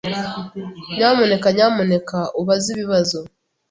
Nyamuneka nyamuneka ubaze ibibazo.